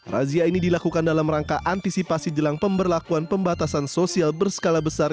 razia ini dilakukan dalam rangka antisipasi jelang pemberlakuan pembatasan sosial berskala besar